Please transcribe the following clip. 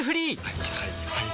はいはいはいはい。